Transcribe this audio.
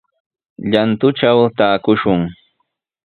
Llantutraw taakushun.